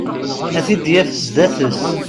A t-id-yaf sdat-s.